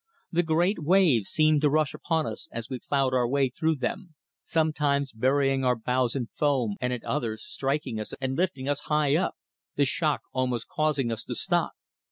The great waves seemed to rush upon us as we ploughed our way through them, sometimes burying our bows in foam and at others striking us and lifting us high up, the shock almost causing us to stop.